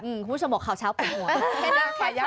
คุณผู้ชมบอกข่าวเช้าปวดหัว